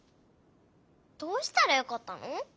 どうしたらよかったの？